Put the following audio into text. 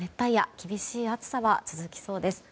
厳しい暑さは続きそうです。